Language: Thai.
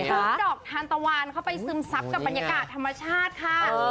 ทุ่งดอกทานตะวันเข้าไปซึมซับกับบรรยากาศธรรมชาติค่ะ